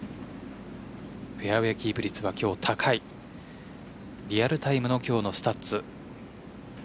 フェアウェイキープ率は今日高いリアルタイムの今日のスタッツ。